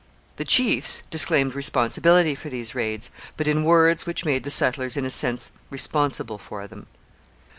The chiefs disclaimed responsibility for these raids, but in words which made the settlers in a sense responsible for them.